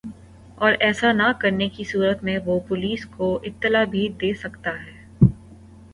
اور ایسا نہ کرنے کی صورت میں وہ پولیس کو اطلاع بھی دے سکتا ہے